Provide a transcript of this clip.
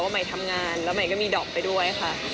ใหม่ทำงานแล้วใหม่ก็มีดอกไปด้วยค่ะ